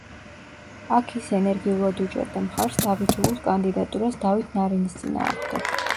აქ ის ენერგიულად უჭერდა მხარს დავით ულუს კანდიდატურას დავით ნარინის წინააღმდეგ.